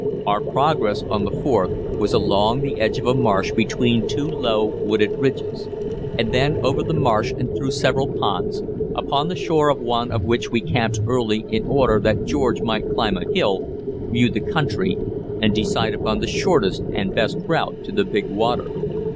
Our progress on the 4th was along the edge of a marsh between two low, wooded ridges, and then over the marsh and through several ponds, upon the shore of one of which we camped early in order that George might climb a hill, view the country and decide upon the shortest and best route to the "big water."